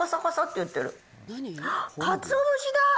あっ、かつお節だ。